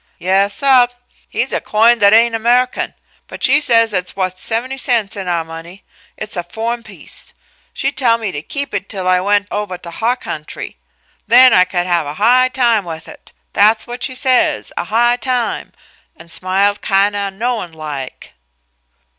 "Yes, sub. Heh's a coin that ain' Amehican, but she says it's wuth seventy cents in our money. It's a foh'en piece. She tell me to keep it till I went ovah to huh country; then I could have a high time with it that's what she says 'a high time' an' smiled kind o' knowin' like."